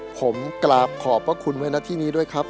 ผมกราบขอบพระคุณไว้หน้าที่นี้ด้วยครับ